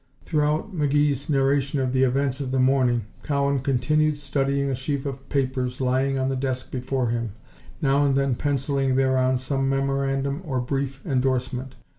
Throughout McGee's narration of the events of the morning, Cowan continued studying a sheaf of papers lying on the desk before him, now and then penciling thereon some memorandum or brief endorsement.